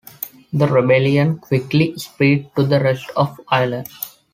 The rebellion quickly spread to the rest of Ireland.